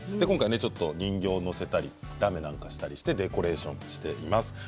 今回は人形を載せたりラメなんかをしたりデコレーションしています。